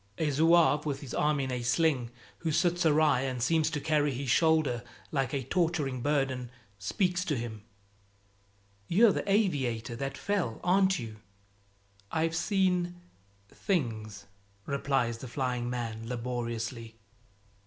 A zouave with his arm in a sling, who sits awry and seems to carry his shoulder like a torturing burden, speaks to him: "You're the aviator that fell, aren't you?" "I've seen things," replies the flying man laboriously.